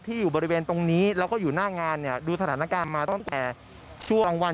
อยู่บริเวณตรงนี้แล้วก็อยู่หน้างานเนี่ยดูสถานการณ์มาตั้งแต่ช่วงกลางวัน